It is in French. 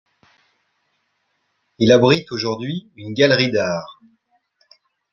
Il abrite aujourd'hui une galerie d'art.